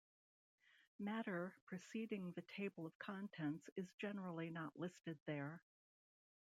Matter preceding the table of contents is generally not listed there.